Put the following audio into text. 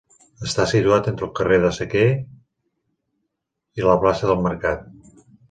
Està situat entre el carrer del Sequer i la plaça del Mercat.